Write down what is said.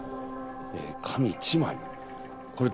紙１枚。